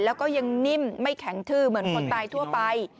แล้วก็ยังนิ่มไม่แข็งทื้อเหมือนคนตายทั่วไป